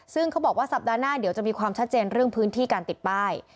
ซึ่งเขาบอกว่าสัปดาห์หน้าเดี๋ยวจะมีความชัดเจนเรื่องพื้นที่การติดป้าย